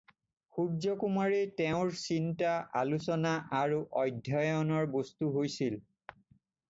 সূৰ্য্যকুমাৰেই তেওঁৰ চিন্তা, আলোচনা আৰু অধ্যয়নৰ বস্তু হৈছিল।